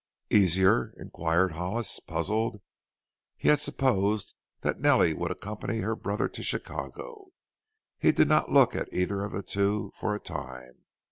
"Easier?" inquired Hollis, puzzled. He had supposed that Nellie would accompany her brother to Chicago. He did not look at either of the two for a time.